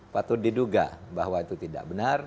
patut diduga bahwa itu tidak benar